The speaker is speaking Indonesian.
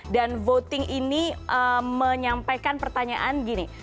dan voting ini menyampaikan pertanyaan gini